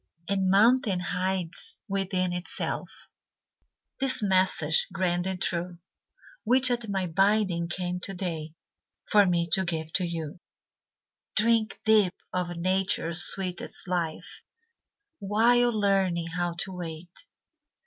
A mountain hides within itself This message grand and true, Which at my bidding came to day For me to give to you: "Drink deep of Nature's sweetest life, While learning how to wait.